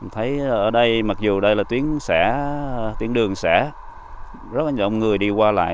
thấy ở đây mặc dù đây là tuyến đường xã rất là nhiều người đi qua lại